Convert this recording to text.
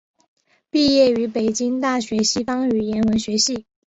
毕业于北京大学西方语言文学系。